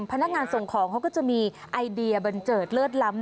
พนักงานส่งของเขาก็จะมีไอเดียบันเจิดเลิศล้ำ